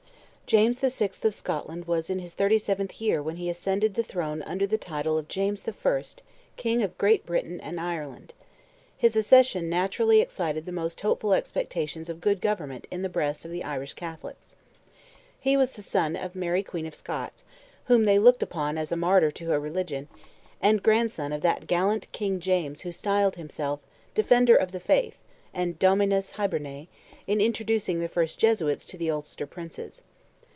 James the Sixth of Scotland was in his 37th year when he ascended the throne under the title of "James the First, King of Great Britain and Ireland." His accession naturally excited the most hopeful expectations of good government in the breasts of the Irish Catholics. He was son of Mary Queen of Scots, whom they looked upon as a martyr to her religion, and grandson of that gallant King James who styled himself "Defender of the Faith," and "Dominus Hiberniae" in introducing the first Jesuits to the Ulster Princes.